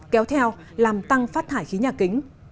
kéo theo làm tăng phát thải khí nhà kính